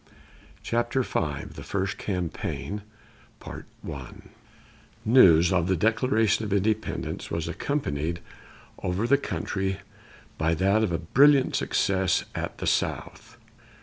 CHAPTER V THE FIRST CAMPAIGN News of the Declaration of Independence was accompanied over the country by that of a brilliant success at the South.